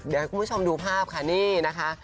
เดี๋ยวให้คุณผู้ชมดูภาพค่ะนี่นะคะ